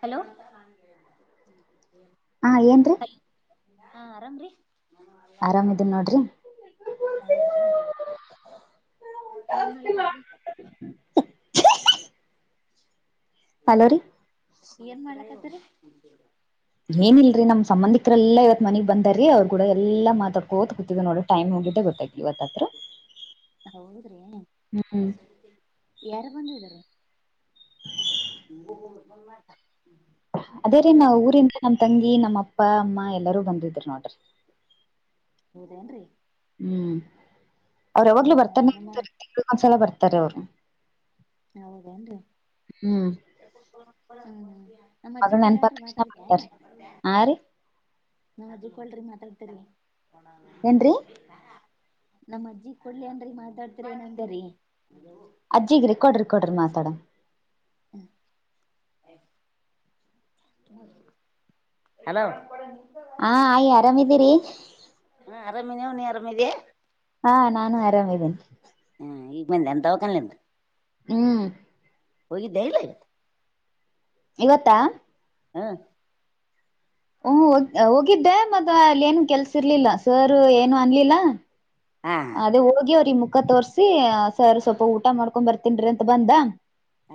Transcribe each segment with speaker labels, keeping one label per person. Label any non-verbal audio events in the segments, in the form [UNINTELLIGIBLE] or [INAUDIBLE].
Speaker 1: hello
Speaker 2: ಹಾ ಏನ್ರೀ
Speaker 1: ಹಾ ಆರಾಮ್ರೀ
Speaker 2: ಆರಾಮಿದನ ನೋಡ್ರಿ
Speaker 1: ಹೌದ್ರೀ ಅಲ್ಲ ಕತ್ರಿ
Speaker 2: ಹಲೋ ರೀ
Speaker 1: ಏನ್ ಮಾಡತತರಿೀ
Speaker 2: ಏನಿಲ್ರರಿ ನಮ್ ಸಂಬಂಧಿಕರೆ ಎಲ್ಲಾ ಇವತ್ನಗ್ ಬಂದಾರಿೀ ಅವ್ರು ಕೂಡ ಎಲ್ಲ ಮಾತ ಕೋತ್ ಕೂತ್ ನೋಡಿ ಟೈ್ ಹೋಗಿದ್ದೆ ಗತ್ತ
Speaker 1: ಹೌದ್ರಿ ಯಾರು ಬಂದಿದಾರ
Speaker 2: ಹ
Speaker 1: ಬ
Speaker 2: ಅದೇ ರೀ ನಾ್ ಊರಿಂದ ನಮ್ಮ್ ತಂಗಿ ಈ ನಮ್ಮಪ್ಪ ಅಮ್ಮ ಎಲ್ಲರೂ ಬಂದಿದ್ರಿ ನೋಡ್ರಿ
Speaker 1: ಹೌದೇನ್ರಿ
Speaker 2: ಹ್ಮ್
Speaker 1: ಹಾ
Speaker 2: ಅವ್ರಾವಾಗ್ಲುೂ
Speaker 1: ಹಾ
Speaker 2: ಬರ್ತಾನೆ
Speaker 1: ನಮ್ಮ
Speaker 2: ಇರ್ತಾರೆೊಂದ್ಸಲ ಬರ್ತಾರೆ ತರವ
Speaker 1: ಹೌದೇನ್ರಿ ಹ್ಮ ನಮ್ಮ ಅಜ್ಜಿ
Speaker 2: ಮಗಳ್
Speaker 1: ಕೂಳ
Speaker 2: ನೆನ್ಪಾದ
Speaker 1: ಅನ್
Speaker 2: ತಕ್ಷಣ ಬರ್ತಾರೆ
Speaker 1: ಮಾತಾಡ್ತನ
Speaker 2: ಹಾ ರೀ
Speaker 1: ನಾ ಅಜಕ್ಕ ಒಳರಿಿ ಮಾತಾಡ್ತರಿ
Speaker 2: ಏನ್ರಿ
Speaker 1: ನಮ್ಮ ಅಜ್ಜಿ ಕೊೊಳ್ಳಿ ಅನ್್ರಿ ಮಾತಾಡ್ತರ ಏನಂದರಿೀ
Speaker 2: ಅಜ್ಜಿಗ್ ರೆಕಾರ್ಡ್ ರೆಕಾರ್ಡ್ರ ಮಾತಾಡ
Speaker 1: ಹ್ಮ ಹಲೋ
Speaker 2: ಹಾ ಆಯ್ ಆರಾಮಿದೀರಿ
Speaker 1: ಹಾ ಆರಾಮಿನಿ ಅವ್ ನೀಿ ಅರಾಮದಿಯ
Speaker 2: ಹಾ ನಾನು ಆರಾಮಿದ್ದೇನೆ
Speaker 1: ಹಾ ಈ ಮೇಲೆ ಎಂತ ಅವಕಲ್ಲಂತ
Speaker 2: ಹ್ಮ್
Speaker 1: ಹೋಗಿ ದೇಲ
Speaker 2: ಇವತ್ತಾ
Speaker 1: ಹ್ಮ
Speaker 2: ಹೋಗ ಹೋಗಿದ್ದೆ ಮತ್ತ ಅಲ್ಲಿ ಏನು ಕೆಲ್ಸ ಇರ್ಲಿಲ್ಲ ಸರ್ ಏನು ಅನ್ಲಿಲ್ಲ
Speaker 1: ಹಾ
Speaker 2: ಅದೇ ಹೋಗಿ ಅವ್ರ ಈ ಮುಖ ತೋರ್ಸಿ ಸರ್ ಸ್ವಲ್ಪ ಊಟ ಮಾಡ್ಕೊಂಡ್ ಬರ್ತನ್್ರಿ ಅಂತ ಬಂದ
Speaker 1: ಹ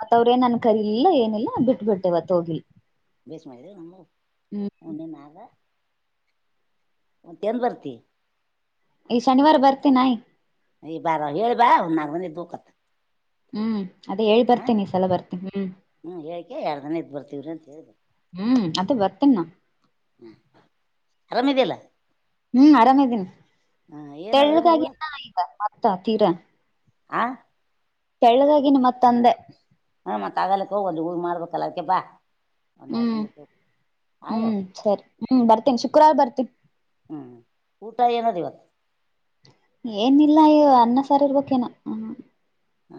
Speaker 2: ಮತ್ ಅವ್ರೇನ್ ನನ್ ಕರಿಲಿಲ್ಲ ಏನಿಲ್ಲ ಬಿಟ್ಬಿಟ್ಟೆವತ್ ಹೋಗಿಿಲ್ಲ
Speaker 1: ಬೇಷ್ ಮಾಡದು ನವು ಹೆ ನದ ಮತ್ತೇನ್ ಬರ್ತಿ
Speaker 2: ಏ ಶನಿವಾರ ಬರ್ತ ನಾಯ್
Speaker 1: ಯ್ ಬಾರ ಹೇಳೇಳ್ಬಾ ಹನ್ಾಗನ ದೂಖತ್ತ
Speaker 2: ಹ್ಮ್ ಅದೇ ಹೇಳಿ ಬರ್ತೇನೆ ಈ ಸಲ ಬರ್ತೇ ಹ್ಮ್
Speaker 1: ಹ್ಮ್ ಹೇಳಿಕೆ ಎರಡು ದಿನ ಇದ್ ಬರ್ತೀವ್ರಿ ಅಂತ ಹೇಳಿದ್ರು
Speaker 2: ಹ್ಮ್ ವರ್ತಣ
Speaker 1: ಹ್ಮ ಆರಾಮಿದಲ್ಲ
Speaker 2: ಹ್ಮ್ ಆರಾಮೇದಿನಿ
Speaker 1: ಏನದ ಅಡಿ
Speaker 2: ತೆಳ್ಳಗಾಗಿ
Speaker 1: ಹುಳ
Speaker 2: ಎ ಆಯ್ತ ಮತ್ತ ತೀರಾ
Speaker 1: ಆ
Speaker 2: ಕೆಳ್ಳದಾಗಿನ ಮತ್ತಂದೆ
Speaker 1: ಹ್ಮ ಮತ್ತತ್ ಆಗಲ್ಲಕ್ಕೆ ಹೋಗದು ಹೂ ಮಾಡ್ಬೇಕಲ್ಲ ಅದಕೆ ಬಾ
Speaker 2: ಹ್ಮ್
Speaker 1: ಒಂದರಲ್ಲಟ್ಟು ಆಯೋ
Speaker 2: ಕ ಕ್ರ ಬರ್ತಿ
Speaker 1: ಹ್ಮ್ ಊಟ ಏನ ಆದ ಇವತ್ತು
Speaker 2: ಏನಿಲ್ಲ ಅನ್ನ ಸಾರ್ ಇರ್ಬೇಕೇನ
Speaker 1: ಹಾ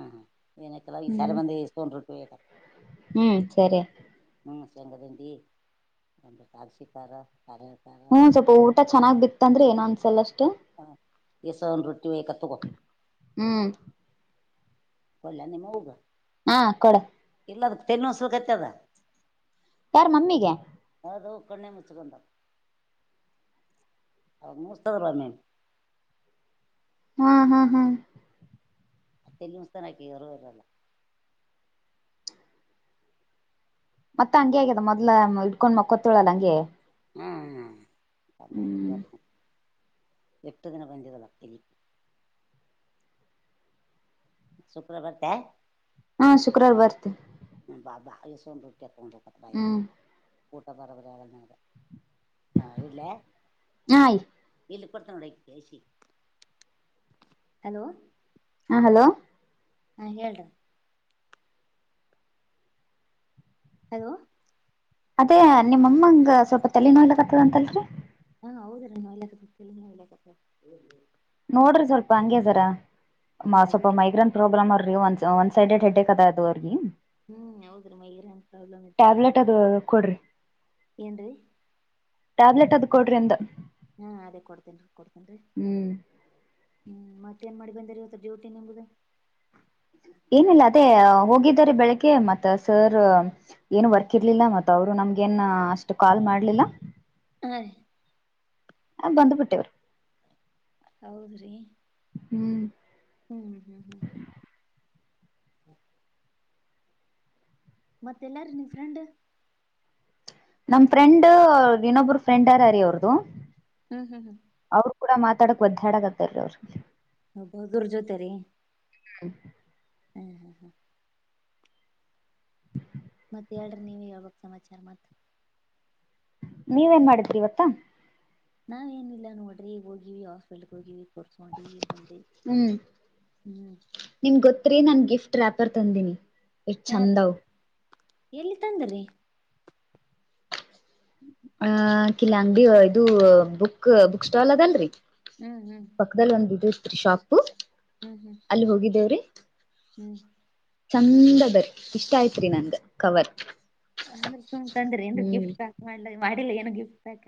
Speaker 1: ಹಾನಕ್ಕೆಲ್ಲ ಈ ಸಲ
Speaker 2: ಹ್ಮ್
Speaker 1: ಬಂದ ಇಷ್ಟೊಂದು ರೊಟ್ಟಿ ವೈಯಾಕತನ
Speaker 2: ಹ್ಮ್ ಸರಿ
Speaker 1: ಹ್ಮ ಶೇಂಗಾ ದಿಂಡಿ ತಾರಸಿಕಾರ ಕಾರಿಹಳ್ಳ
Speaker 2: ಹ್ಮ್ ಸ್ವಲ್ಪ ಊ ಚೆನ್ನ್ ಬಿತ್ ಅಂದ್ರೆ ಏನ್ ಅನ್ಸಲ್ಲಷ್ಟ
Speaker 1: ಹ ಈ ಸೌನ್ ರೊಟ್ಟಿ ವಯಕ ತಗ
Speaker 2: ಹ್ಮ್
Speaker 1: ಕೊಡ್ಲೇ ನಿಮ್ಮ ಅವ್ವಗ
Speaker 2: ಹಾ ಕೊಡ
Speaker 1: ಇಲ್ಲದ ತಲೆನುಸಕತಾದ
Speaker 2: ಯಾರ ಮಮ್ಮಿಗೆ
Speaker 1: ಅದು ಒ ಕಣ ಮುಚ್ಚಕೊಂಡ ಹ ಮುಸ್ತಕ ಒಮ್ಮೊಮ್ಮೆ
Speaker 2: ಹ್ಮ್ ಹ್ಮ್ ಹ್ಮ್
Speaker 1: ತಲೀ ನುಸಿತಂದ್ರ ಆಕೆಗೆ ಅರಿವು ಇರಲ್ಲ
Speaker 2: ಮತ್ತತ್ ಹಂಗೆ ಆಗ್ಯದ ಮೊದಲ ಇಡ್ಕೊಂಡ್ ಮಕ್ಕೊತ್ತಳಲ್ಲ ಹಂಗೆ
Speaker 1: ಹ್ಮ್
Speaker 2: ಹ್ಮ್
Speaker 1: ಎತ ದಿನ ಬಂದಿಗಳತ್ತು ಶ್ರುಕವಾರಾ ಬರ್ತ್
Speaker 2: ಹಾ ಶುಕ್ರವಾರ ಬರ್ತಿ
Speaker 1: ಬಾಾ ಸೊಂಡ ಕೊಂಡ
Speaker 2: ಹ್ಮ್
Speaker 1: ಊಟ ಬರಬರಿ ಆಗಂಗಿಲ್ಲ ನಿನಗೆ
Speaker 2: ಹಾಯ್
Speaker 1: ಇಲ್ಲಿ ಕೊಡ್ತಾ ನೋಡ ಐ ಹಲೋ
Speaker 2: ಹಾ ಹಲೋ
Speaker 1: ಹಾ ಹೇಳ್ರ ಹಲೋ
Speaker 2: ಅದೇ ನಿಮ್ಮಮ್ಮಂಗ ಸ್ವಲ್ಪ ತಲೆ ನೋ್ಲಕ್ ಆತ್ತತದ ಅಂತಲ್ರಿ
Speaker 1: ಹಾ ಹೌದ್ರೀ ತಲೆ ನೋಯ್ತಾ ಇದೆ
Speaker 2: ನೋಡ್ರಿ ಸ್ವಲ್ಪ ಹಂಗೆ ಜರಾ
Speaker 1: ಹಾ ಅದೇ
Speaker 2: ಸ್ವಲ್ಪ
Speaker 1: ರೀ
Speaker 2: ಮೈಗ್ರೇನ್ ಪ್ರಾಬ್ಲಮ್ ರಿ ಒನ್ ಸೈಡೆಡ್ ಹೆಡ್ಡಕ್ ಅದ್ದು ಅವ್ರಿಗೆ
Speaker 1: ಹ್ಮ್ ಹೌದ್ರೀ ಮೈರನ್ ಪ್ರಾಬ್ಲಮ್ ಇದ್ದದಗೆ
Speaker 2: ಟ್ಯಾಬ್ಲೆಟ್ ಅದು ಕೊಡ್ರಿ
Speaker 1: ಏನ್ರೀ
Speaker 2: ಟ್ಯಾಬ್ಲೆಟ್ ಅದ ಕೊಡ್ರಿ ಅಂದೆ
Speaker 1: ಹಾ ಅದೇ ಕೊಡ್ತೇನ್ರಿ ಕೊಡ್ತೇನ್ರಿ
Speaker 2: ಹ್ಮ್
Speaker 1: ಹ್ಮ್ ಮತ್ತೆ ಮತ್ತೆ ಏನ್ ಮಾಡಿ ಬಂದೇರಿ ಇವತ್ತು ಡ್ಯೂಟಿ ನಿಮ್ಮದು
Speaker 2: ಏನಿಲ್ಲ ಅದೇ ಹೋಗಿದ್ದಾರೆ ಬೆಳಿಗ್ಗೆ ಮತ್ತ ಸರ್ ಏನು
Speaker 1: ಹ್ಮ್
Speaker 2: ವರ್ಕ್ ಇರ್ಲಿಲ್ಲ ಮತ್ತ ಅವರು ನಮ್ಗೆ ನ್ ಅಷ್ಟು ಕಾಲ್ ಮಾಡ್ಲಿಲ್ಲ
Speaker 1: ಹಾ ರೀ
Speaker 2: ಆ ಬಂದುಬಿಟ್ಟ
Speaker 1: ಹೌದ್ರಿ
Speaker 2: ಹ್ಮ್
Speaker 1: ಹ್ಮ್್ಮ್ ಹ್ಮ್ ಹ್ಮ್ ಹ್ಮ ಮತ್ತೆ ಎಲ್ಲಿ ಆರಾ ನಿಮ್ಮ ಫ್ರೆಂಡ್
Speaker 2: ನಮ ಫ್ರೆಂಡ್ ಇನ್ನೊಬ್ಬರು ಫ್ರೆಂಡ್ರರಿೀ ಅವ್ರದು
Speaker 1: ಹ್ಮ್ ಹ್ಮ್ ಹ್ಮ್
Speaker 2: ಅವ್ರು ಕೂಡ ಮಾತಾಡಕ್ ಬದ್ದ್ಯಾಡತ್ತರರಿ ಅವ್ರ
Speaker 1: ಹಬ ದೂರ್ ಜೋತೆ ರೀ
Speaker 2: ಹ್ಮ
Speaker 1: ಹ್ಮ್ ಹ್ಮ್ ಹಾ ಮತ್ತತ್ ಹೇಳ್ರಿ ನೀವ ಹೇಳ್ಬೇಕು ಸಮಾಚಾರ ಮತ್ತ
Speaker 2: ನೀವೇನ್ ಮಾಡಿದ್ರಿ ಇವತ್ತಾ
Speaker 1: ನಾವ ಏನಿಲ್ಲ ನೋಡ್ರಿ ಹೋಗಿವಿ ಹಾಸ್ಪಿಟ್ಲ್ಗೆ ಹೋಗಿವಿ ತೋರಿಸಿಕೊಂಡು ಬಂದಿವ
Speaker 2: ಹ್ಮ್
Speaker 1: ಹ್ಮ್
Speaker 2: ರಿ ನಾನ್ ಗಿಫ್ಟ್ ರ್ಯಾಪರ್ ತಂದೀಿನಿ ಏಷ್ಟ
Speaker 1: ಹಾ
Speaker 2: ಚಂದ
Speaker 1: ರೀ
Speaker 2: ಅವ
Speaker 1: ಎಲ್ಲಿ ತಂದ್ರೀ
Speaker 2: ಅ ಕಿಲ ಅಂಗಡಿ ಇದು ಬುಕ್ ಬುಕ್ ಸ್ಟಾಲ್ ಅದಲ್ರರಿ
Speaker 1: ಹ್ಮ್ ಹ್ಮ್
Speaker 2: ಪಕ್ಕದಲ್ಲಿ ಒಂದ ಇದ ಇತ್ರಿ ಶಾಪು
Speaker 1: ಹ್ಮ್ ಹ್ಮ್
Speaker 2: ಅಲ್ಲಿ ಹೋಗಿದ್ದೇವ್ರಿ
Speaker 1: ಹ್ಮ್
Speaker 2: ಚಂದ ಅದ ಇಷ್ಟ ಆಯತ್ರಿ ನನ್ಗ ಕವರ್
Speaker 1: ಅಂದ್ರೆ ಸುಮ್ ತಂದ್ರ ಏನ್
Speaker 2: ಹ್ಮ್
Speaker 1: ಗಿಫ್ಟ್ ಪ್ಯಾಕ್ ಮಾಡ್ಲ ಮಾಡಿಲ್ಲ ಏನು ಗಿಫ್ಟ್ ಪ್ಯಾಕ್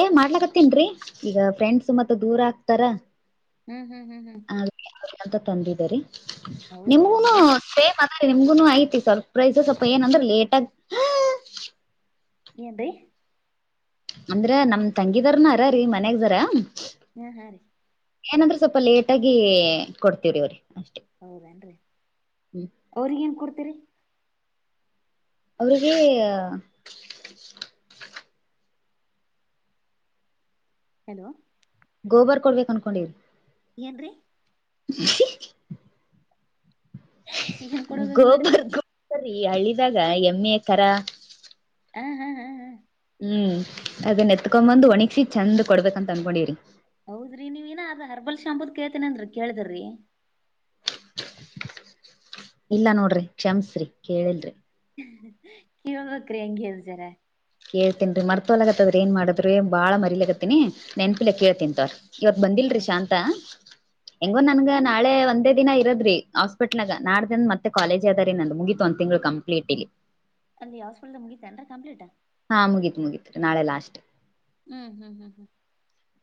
Speaker 2: ಏ ಮಾಡ್ಲಕತ್ತೀನ ರಿ ಈಗ ಫ್ರೆಂಡ್ಸ್ ಮತ್ತ ದೂರ ಆಕ್ತಾರ
Speaker 1: ಹ್ಮ್ ಹ್ಮ್ ಹ್ಮ್ ಹ್ಮ್
Speaker 2: ಅಂತ ತಂದಿದ್ದರಿ
Speaker 1: ಹೌದ್ರಿ
Speaker 2: ನಿಮಗೂೇಮ
Speaker 1: ಎಷ್ಟ್
Speaker 2: ಸೇಮ್ ಸರಿ ನಿಮ್ಗು ಐತಿ ಸ್ವರ್ಪ್ರೈಸ್ ಸ್ವಪ ಏನಂದ್ರೆ ಲೇಟಗ
Speaker 1: ಏನು ರಿ
Speaker 2: ಅಂದ್ರ ನಮ್ ತಂಗಿದಾರನಾರ ರೀ ಮನ್ಯಾಗ್ದಾರ
Speaker 1: ಹಾ ಹಾ ರೀ
Speaker 2: ಏನಂದ್ರೆ ಸ್ವಲ್ಪ ಲೇಟ್ ಆಗಿ ಕೊಡ್ತವ್ರಿ ಅವ್ರಿ ಅಷ್ಟೇ
Speaker 1: ಹೌದೇನ್ರಿ
Speaker 2: ಹ್ಮ್
Speaker 1: ಅವ್ರಗ ಏನ್ ಕೊಡ್ತೀರಿ
Speaker 2: ಅವ್ರಿಗೆ
Speaker 1: ಹಲೋ
Speaker 2: ಗೋಬರ್ ಕೊಡ್ಬೇಕ ಅನ್ಕೊಂಡೀ್ರ
Speaker 1: ಏನ್ರಿ
Speaker 2: [UNINTELLIGIBLE]
Speaker 1: ಏನ್ ಕೊಡ್ಬೇಕು ಅಂತ ಮಾಡಿರಿ
Speaker 2: ಸರಿ ಹಳ್ಳಿದಾಗ ಎಮ್ಮೆ ತರ
Speaker 1: ಹ್ಮ್ ಹ್ಮ್ ಹ್ಮ್ ಹ್ಮ್
Speaker 2: ಹ್ಮ್ ಅದನ್ನ ಎತ್ಕೊಂಬಂದು್ ಒಣಗಸಿ ಚೆಂದ್ ಕೊಡ್ಬೇಕಂತ ಅನ್ಕೊಂಡಿರಿ
Speaker 1: ಹೌದ್ರಿ ನೀವಏನ ಅದ ಹರ್ಬಲ್ ಶಾಂಬೂುದ್ ಕೇತೇನ ಅನ್ರಿ ಕೇಳಿದ್ರಿ
Speaker 2: ಇಲ್ಲ ನೋಡ್ರಿ ಕ್ಷಮಸ್ರಿ ಕೇಳಿಲ್ರಿ
Speaker 1: ಕ ಒಂದು ಬಕ್ರಂಂಗ ಜಾರ
Speaker 2: ಕೇಳ್ತನ್ಿೀ ಮರ್ತೊಲ ಆಗತ್ತದ್ರ ಏನ್ ಮಾಡದ್ ಬಾಳ ಮರಿಲಗತ್ತೀಿನಿ ನೆನ್ಪಿಲ ಕೇಳ್ತನ್ಂತವ ಇವತ್ ಬಂದಿಲ್ರರಿ ಶಾಂತಾ ಹೆಂಗೋ
Speaker 1: ಇಲ್ಲ
Speaker 2: ನನ್ಗ
Speaker 1: ಫೋನ್
Speaker 2: ನಾಳೆ ಒಂದೇ ದಿನ ಇದ್ರೀ ಹಾಸ್ಪಿಟ್ಲ್ಾಗ ನಾ್ದ ಮತ್ತೆ ಕಾಲೇಜ್ ಅದ ರೀ ನ ಮುಗಿತು ಒಂದ್ ತಿಂ್ಗಳು ಕಂಪ್ಲೀಟ್ ಇಲ್ಲಿ
Speaker 1: ಅಲ್ಲಿ ಯಾವ ಸ್ಪಿಲ್ ಮುಗಿತತ ಅನ್್ರ ಕಂಪ್ಲೀಟಾ
Speaker 2: ಮುಗತ್ ಮುಗೀತ್ ನಾಳೆ ಲಾಸ್ಟ್
Speaker 1: ಹ್ಮ್ ಹ್ಮ್ ಹ್ಮ್ ಹ್ಮ್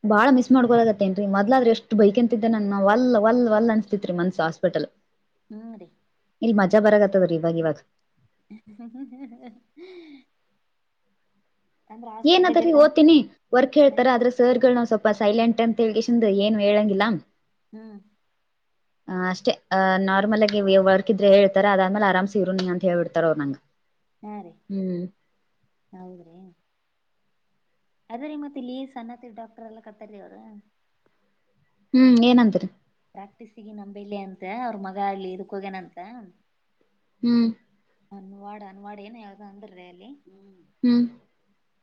Speaker 2: ಬಾಳ ಮಿಸ್ ಮಾಡ್ಕೋದಾಗತ್ತೇನ್ರರಿ ಮೊದ್ಾದ್ರ ಎಷ್ಟ್ ಬೈಕ್ ಎಂತಿದ್ದೆ ನನ್ ವಲ್ ವ ಅಲ್ ಅನ್ಸ್ತಿತ್ರಿ ಮನ್ಸ ಹಾಸ್ಪಿಟಲ್
Speaker 1: ಹ್ಮ್ ರೀ
Speaker 2: ಇಲ್ಲಿ ಮಜಾ ಬರಾಗತ್ತದ ರೀ ಇವಾಗ ಇವಾಗ
Speaker 1: ಅಂದ್ರ ಹಾಸ್ಪಿಟಲ್
Speaker 2: ಏನಾದ
Speaker 1: ಬೇಕಂತ
Speaker 2: ಓ್ತೀನಿ ವರ್ಕ್ ಹೇಳ್ತಾರ ಆದ್ರೆ ಸರ್ ಗಳ ನ್ ಸ್ವಲ್ಪ ಸೈಲೆಂಟ್ ಅಂತ ಹೇಳಳ್ಿಂದ ಏನು ಹೇಳಂಗಿಲ್ಲ
Speaker 1: ಹ್ಮ್
Speaker 2: ಅ್ ಅಷ್ಟೇ ಅ್ ನಾರ್ಮಲ್ ಆಗಿ ವರ್ಕ್ ಇದ್ರೆ ಹೇಳ್ತಾರ ಅದಾದ್ಮಲೆ ಆರಾಮ್ಸಿ ಇರರು ನೀ ಅಂತ ಹೇಳಳ್ಿಡ್ತಾರ ಅವ್ರ ನಂಗಗೆ
Speaker 1: ಹಾ ರೀ ಹೌದ್ರಿ ಅದೇ ರೀ ಮತ್ತೆ ಇಲ್ಲಿ ಸ್ಣತ್ತ ಡಾಕ್ಟರ್ ಎಲ್ಲ ಕತಾರೀ ಅವ್ರ
Speaker 2: ಹ್ಮ್ ಏನಂತರಿ
Speaker 1: ಪ್ರಾಕ್ಟೀಗಿ ನಂಬಲ್ಲಿಿ ಅಂತ ಅವ್ರ ಮಗ ಅಲಿ ಇದಕ್ಕ ಹೋಗೇನ ಅಂತ
Speaker 2: ಹ್ಮ್
Speaker 1: ಅನ್ವಾಡ್ ಅನ್ವಾಡ ಏ ಯಾವ್ದ ಅಂದ್ರೀ ಅಲ್ಲಿ
Speaker 2: ಹ್ಮ್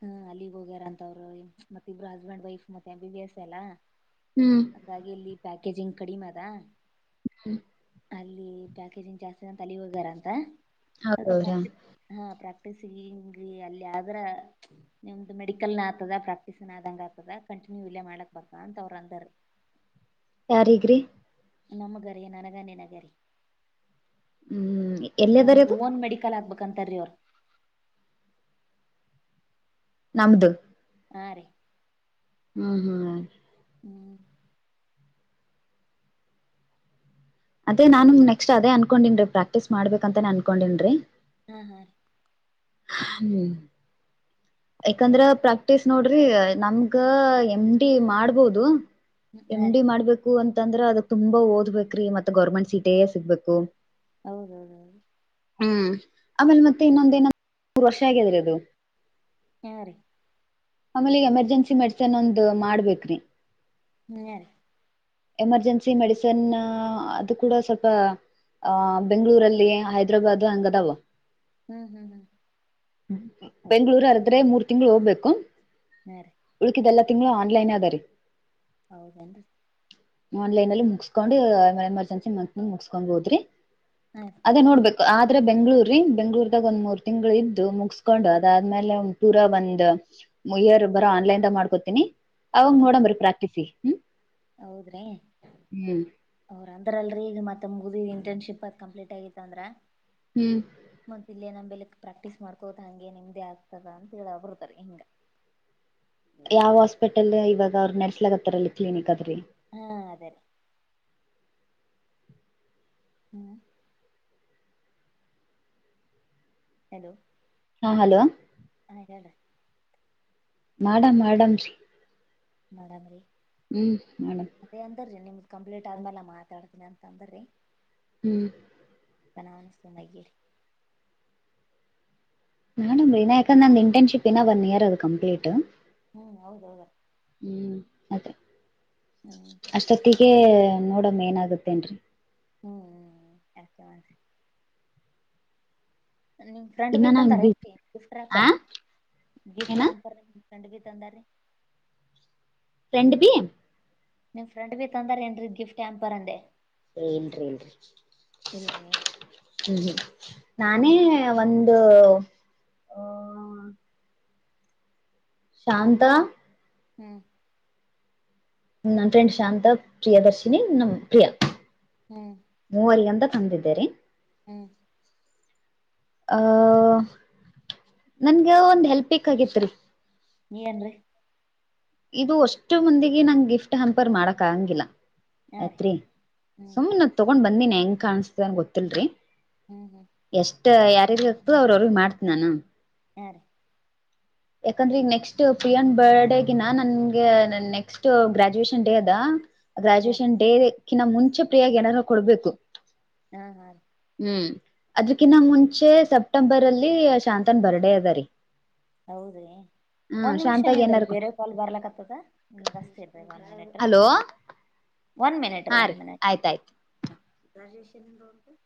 Speaker 1: ಹ್ಮ್ ಅಲ್ಲಿಗ್ ಹೋಗ್ಯಾರ ಅಂತವ್ರು ಮತ್ತ ಇಬ್ರು ಹಸ್ಬೆಂಡ್ ವೈಫ್ ಮತ್ತೆ ಬಿ ವ್ಯಾಸ ಎಲ್ಲಾ
Speaker 2: ಹ್ಮ್
Speaker 1: ಹಾಗಾಗಿ ಇಲ್ಲಿ ಪ್ಯಾಕೇಜಿಂಗ್ ಕಡಿಮೆ ಅದಾ
Speaker 2: ಹ್ಮ್
Speaker 1: ಅಲ್ಲಿ ಪ್ಯಾಕೇಜಿಂಗ್ ಜಾಸ್ತಿ ತ ಹೋಗ್ಯಾರ ಅಂತ ಅದ
Speaker 2: ಹೌದವ್ರಾ
Speaker 1: ಪ್ರಕ್ಟ ಹ ಪ್ರಕ್ಟ ಟ್ಟಿಸಿ ಹಿಂಗಿ ಅಲ್ಲಿದ್ರ ನಿಮ್ದು ಮೆಡಿಕಲ್ ನ ಆಗ್ತದ ಪ್ರಾಕ್ಟೀಸ್ನ್ ಆದಂಗ ಆತದ ಕಂಟಿನ್ಯೂ ಇಲ್ಲೇ ಮಾಡ್ಕ್ ಬಾ ಅಂತ ಅವರು ಅಂದಾರ [UNINTELLIGIBLE]
Speaker 2: ಯಾರಗ್ರಿ
Speaker 1: ನಮ್ಮಗೆರ ನನಗ್ಣೆನಗರಿ
Speaker 2: ಹ್ಮ್ ಎಲ್ಲದರಿ
Speaker 1: ನಮ
Speaker 2: ಅದು
Speaker 1: ಓನ್ ಮೆಡಿಕಲ್ ಆಗ್ಬೇಕಂತಾರೀ ಅವ್ರ
Speaker 2: ನಮದು
Speaker 1: ಹಾ ರೀ
Speaker 2: ಹ್ಮ್ ಹ್ಮ್
Speaker 1: [INAUDIBLE]
Speaker 2: ಅದೇ
Speaker 1: ಹಲೋ
Speaker 2: ನಾನು ನೆಕ್ಸ್ಟ್ ಅದೇ ಅನ್ಕೊಂಡಿನ್ರೀ ಪ್ರಾಕ್ಟೀಸ್ ಮಾಡ್ಬೇಕ ಅಂತಾನೇ ಅನ್ಕೊಂಡನ್ರರಿ
Speaker 1: ಹ್ಮ್ ಹಾ
Speaker 2: ಹ್ಮ್ ಯಾಕಂದ್ರ
Speaker 1: ಏನ್ರಿ
Speaker 2: ಪ್ರಾಕ್ಟೀಸ್ ನೋಡ್ರ ನಮ್ಗ ಎಮ್ ಡಿ ಮಾಡ್ಬಹುದು
Speaker 1: ಹಾ
Speaker 2: ಎಮ್
Speaker 1: ರೀ
Speaker 2: ಡಿ ಮಾಡ್ಬೇಕು ಅ ಮಂದ್ರ ಅದ ತುಂಬ ಓದ್ಬೇಕಕ್್ರೀ ಮತ್ತ ಗೌರ್ಮೆಂಟ್ ಸೀಟೇ ಸಿಗ್ಬೇಕು
Speaker 1: ಹೌದೌದೌದು
Speaker 2: ಹ್ಮ್ ಆಮೇಲೆ ಮತ್ತೆ ಇನ್ನೊಂದ ನ ಮೂರು ವರ್ಷ ಆಗ್ಯಾದ್ರಿ ಅದು
Speaker 1: ಹಾ ರೀ
Speaker 2: ಆಮೇಲೆಗ ಎಮರ್ಜೆನ್ಸಿ ಮೆಡಿಸನ್ ಒಂದ್ ಮಾಡ್ಬೇಕ್ರಿ
Speaker 1: ಹ್ಮ್
Speaker 2: ಎಮರ್ಜೆನ್ಸಿ ಮೆಡಿಸನ್ ಹಾ ಅದು ಕೂಡ ಸ್ವಲ್ಪ ಅಹ ಬೆಂಗ್ಗಳೂರಲ್ಲಿ ಹೈದ್ರಾಬಾದ್ ಹಂಗದಾವ
Speaker 1: ಹ್ಮ್ ಹ್ಮ್ ಹ್ಮ್
Speaker 2: ಬೆಂಳೂರು ಅರದ್ರೆ ಮೂರ್ ತಿಂಗಳು ಹೋಗ್ಬೇಕು
Speaker 1: ಹಾ ರೀ
Speaker 2: ಉಳಕಿದೆಲ್ಲ [UNINTELLIGIBLE]
Speaker 1: [INAUDIBLE]
Speaker 2: ಆನ್ಲೈನ್ ಅಲ್ಲಿ ಮುಗಸ್ಕೊಂಡು ಆಮಲೆ ಎಮರ್ಜೆನ್ಸಿ ಮ ಮುಗಸ್ಕೊಂಡ್ ಹೋದ್ರಿ
Speaker 1: ಹಾ
Speaker 2: ಅದೇ ನೋಡ್ಬೇಕು ಆದ್ರೆ ಬೆಂಗ್ಳೂರ್ರೀ ಬೆಂಗ್ಳೂರ್ದಾಗ ಒಂದ್ ಮೂರ್ ತಿಂಗಳು ಇದ್ ಮುಗಸ್ಕೊಂಡು ಅದಾದ್ಮೇಲೆ ಒ ಪೂರ ಒಂದ್ ಇಯರ್ ಬರೋ ಆನ್ಲೈನ್ದಾಗ ಮಾಡ್ಕೊತೀನಿ
Speaker 1: ಹಾ
Speaker 2: ಅವಂಗೋಡಂಬ ಪ್ರಕ್ಟಿಸಸಿ
Speaker 1: ಹೌದ್ರಿ
Speaker 2: ಹ್ಮ್
Speaker 1: ಅವರ ಅದ್ರಲ್ ಈಗ ಮತ್ತೆ ಮುಗ ಇಂಟರ್ನ್ಶಿಪ್ ಅ ಕಂಪ್ಲೀಟ್ ಆಗಿತ್ತ ಅಂದ್ರ
Speaker 2: ಹ್ಮ್
Speaker 1: ಮತ್ತ ಇಲ್ಲಿ ನ ಬೆಲಕ್ ಪ್ರಾಕ್ಟೀಸ್ ಮಾಡ್ಕೋದ ಹಂಗೆ ನಿಮ್ದೇ ಆಗ್ತದ ಅಂತ ಹೇಳ ಬರ್ತಾರೆ ಹಿಂಗ
Speaker 2: ಯಾವ ಹಾಸ್ಪಿಟಲ್ ಇವಾಗ ಅವ್ರರು ನಡ್ಸ್ಲಾಗತ್ತಾರಲ್ಲಿ ಕ್ಲಿನಿಕ್ ಆದ್ರೆ
Speaker 1: ಹಾ ಅದೇ ಹ್ಮ್ ಹೆಲೋ
Speaker 2: ಹಾ ಹಲೋ
Speaker 1: ಹ ಹೇಳ
Speaker 2: ಮಾಡಮ್ ಮಾಡಮೀ
Speaker 1: ನೋಡನ್ರಿ
Speaker 2: ಹ್ಮ್ ಮಡಮ್
Speaker 1: ಕಂಪ್ಲೀಟ್ ಆದ್ಮಲ್ಲ ಮಾತಾಡ್ತೀನಿ ಅಂತ ಅಂದ್ರಿ
Speaker 2: ಹ್ಮ್
Speaker 1: [UNINTELLIGIBLE]
Speaker 2: ನಡಮ ವಿನಾಯಕಂದ ಅಂದ ಇಂಟರ್ನ್ಶಿಪ್ ಏನ ಒನ್ ಇಯರ್ ಅದು ಕಂಪ್ಲೀಟ್
Speaker 1: ಹ್ಮ್ ಹೌದೌದ
Speaker 2: ಹ್ಮ್ ಅದೇ
Speaker 1: ಹ್ಮ್
Speaker 2: ಅಷ್ಟೊತ್ತಿಗೆ ನೋಡಮ್ಮ ಏನಾಗತ್ತೇನ್ರಿ
Speaker 1: ಹ್ಮ್ ಯಕೆ ಮಾರಿ ನಿನ್ ಫ್ರೆಂಡ್
Speaker 2: ಇನ್ನ
Speaker 1: ಬಿ
Speaker 2: ನಂಗ್
Speaker 1: ತಂದಾರ ಹೆ ಗಿಫ್ಟ್
Speaker 2: ಆ
Speaker 1: ಆಪರ್ ಗಿಫ್ಟ್
Speaker 2: ಏನ
Speaker 1: ಆಪರ್ ಎಂಡಗಿ ತಂದಾರಿ
Speaker 2: [UNINTELLIGIBLE]
Speaker 1: ನಿಮ್ ಫ್ರಂಡ್ಬಿ ತಂದಾರ ಏನ್ರೀ ಗಿಫ್ಟ್ ಹ್ಯಾಂ ಬರಂದೆ
Speaker 2: [UNINTELLIGIBLE]
Speaker 1: ಇಲ್ರಿ
Speaker 2: ಹ್ಮ ನಾನೇ
Speaker 1: ಹ್ಮ್
Speaker 2: ಒಂದ್ ಹ ಹ್ಮ ಶಾಂತಾ
Speaker 1: ಹ್ಮ್
Speaker 2: ನನ್ ಫ್ರೆಂಡ್ ಶಾಂತ ಪ್ರಿಯ ದರ್ಶಿನಿ ನಮ ಪ್ರಿಯಾ
Speaker 1: ಹ್ಮ್
Speaker 2: ಮೂವಗಂತ ಅಂದರೆ
Speaker 1: ಹ್ಮ್
Speaker 2: ಅಹ ನನ್ಗ ಒಂದ್ ಹೆಲ್ಪ್ ಬೇಕಾಗಿತ್ರಿ
Speaker 1: ಏನ್ರರಿ
Speaker 2: ಇದು ಅಷ್ಟು ಮಂದಿಗೆ ನಂ ಗಿಫ್ಟ್ ಹಂಪರ್ ಮಾಡಕ್ ಆಂಗಿಲ್ಲ
Speaker 1: ಹಾ ರೀ
Speaker 2: ಆಯ್ತ್ರಿ
Speaker 1: ಹ್ಮ್
Speaker 2: ಸುಮ್ ನ ತಗೊಂಡ್ ಬಂದಿನಿ ಹೆಂಗ ಕಾಣಸ್ತನ್ ಗೊತ್ತಿಲ್ರಿ
Speaker 1: ಹ್ಮ್ ಹ್ಮ್
Speaker 2: ಯಾರ ಆಗ್ತದ ಅವ್ರ ಅವ್ರಗ್ ಮಾಡ್ತ ನಾನು
Speaker 1: ಹಾ ರೀ
Speaker 2: ಯಾಕಂದ್ರೆ ನೆಕ್ಸ್ಟ್ ಪ್ರಿಯನ್ ಬರ್ಡೆ ನನ್ ನನ್ಗೆ ನೆಕ್ಸ್ಟ್ ಗ್ರಾಜುಯೇಷನ್ ಡೇ ಅದ
Speaker 1: ಹಾ
Speaker 2: ಗ್ರಾಜುಯೇಷನ್ ಡೇ ನ್ ಮುಂಚೆ ಪ್ರಿಯಾಗ ಏನಾದಾರೂ ಕೊಡ್ಬೇಕು
Speaker 1: ಹಾ ಹಾ ರೀ
Speaker 2: ಹ್ಮ್ ಅದಕ್ಕಿಂತ
Speaker 1: ಹ್ಮ್
Speaker 2: ಮುಂಚೆ ಸ್ವ ಸೆಪ್ಟೆಂಬರ್ ಅಲ್ಲಿ ಶಾಂತನ್ ಬರ್ಡೇ ಅದಾರಿೀ
Speaker 1: ಹೌದೀ ಒಂದ್ ನಿಮಿಷ ನೀಂದ್ರ
Speaker 2: ಏನಾರ
Speaker 1: ಬೇರೆ ಪಾ ಬರ್ಲಕ್ತದ ಜಸ್ತಿ ಇ್ರ್ರ ಒನ್ ಮಿನಿಟ್ ರೀ
Speaker 2: ಹಲೋ
Speaker 1: ಒನ್ ಮಿನಿಟ್
Speaker 2: ಹಾ ರೀ ಆಯ್ತಾಯ್ತು
Speaker 1: ಗಟ